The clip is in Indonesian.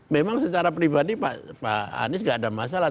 memang secara pribadi pak anies gak ada masalah